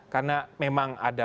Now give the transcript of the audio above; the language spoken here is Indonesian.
karena memang ada persoalan